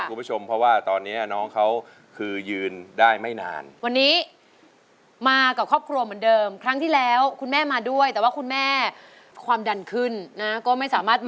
คุณพ่อบุญยังคุณแม่สารินีแล้วก็น้องภากาศแล้วก็ลุงสุรพนธ์ค่ะ